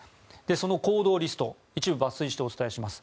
その行動リスト一部抜粋してお伝えします。